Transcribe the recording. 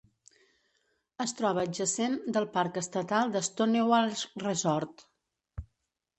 Es troba adjacent del parc estatal de Stonewall Resort.